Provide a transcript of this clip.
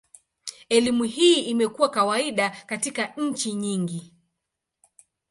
Elimu hii imekuwa kawaida katika nchi nyingi.